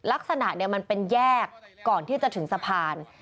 ลักษณะมันเป็นแยกก่อนที่จะถึงสะพาน